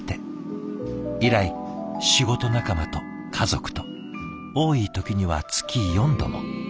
以来仕事仲間と家族と多い時には月４度も。